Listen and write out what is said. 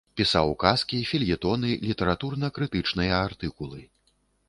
Пісаў казкі, фельетоны, літаратурна-крытычныя артыкулы.